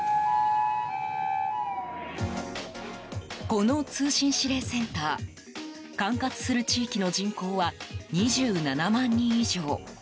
この通信指令センター管轄する地域の人口は２７万人以上。